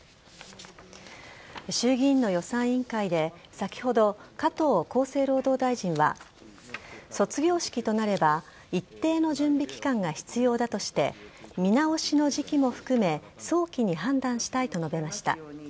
衆議院の予算委員会で先ほど、加藤厚生労働大臣は卒業式となれば一定の準備期間が必要だとして見直しの時期も含め早期に判断したいと述べました。